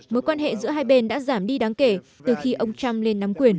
mối quan hệ giữa hai bên đã giảm đi đáng kể từ khi ông trump lên nắm quyền